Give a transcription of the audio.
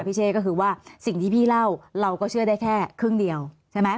เช่ก็คือว่าสิ่งที่พี่เล่าเราก็เชื่อได้แค่ครึ่งเดียวใช่ไหม